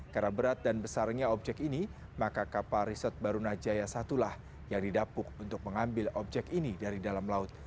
karena berat dan besarnya objek ini maka kapal riset barunajaya satu lah yang didapuk untuk mengambil objek ini dari dalam laut